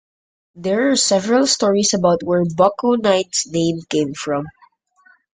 There are several stories about where Buck-O-Nine's name came from.